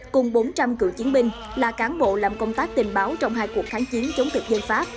cùng bốn trăm linh cựu chiến binh là cán bộ làm công tác tình báo trong hai cuộc kháng chiến chống thực dân pháp